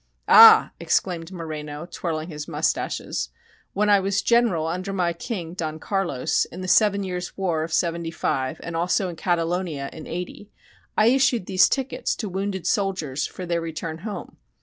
"Ah!" exclaimed Moreno, twirling his mustaches, "when I was General under my King Don Carlos, in the Seven Years' War of '75 and also in Catalonia in '80, I issued these tickets to wounded soldiers for their return home.